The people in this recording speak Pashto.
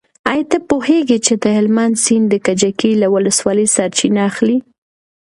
ایا ته پوهېږې چې د هلمند سیند د کجکي له ولسوالۍ سرچینه اخلي؟